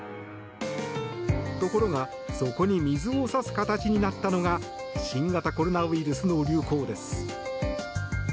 ところがそこに水を差す形になったのが新型コロナウイルスの流行です。